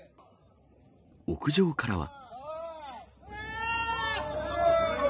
屋上からは。